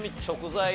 食材。